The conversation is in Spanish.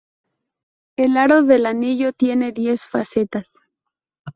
El aro del anillo tiene diez facetas.